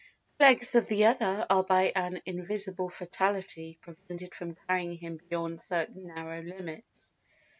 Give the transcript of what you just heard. The legs of the other are by an invisible fatality prevented from carrying him beyond certain narrow limits.